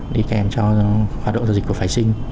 đi kèm cho hoạt động giao dịch của phái sinh